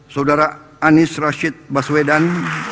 saudara anies rashid baswedan